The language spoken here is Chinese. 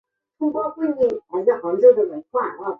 司职中场。